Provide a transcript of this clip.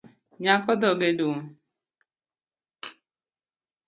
Nyako dhoge dum